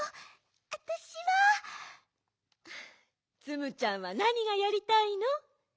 ツムちゃんはなにがやりたいの？